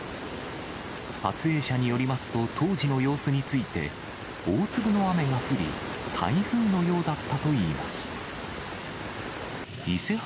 撮影者によりますと、当時の様子について、大粒の雨が降り、台風のようだったといいます。